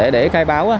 để khai báo